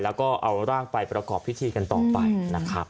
แล้วก็เอาร่างไปประกอบพิธีกันต่อไปนะครับ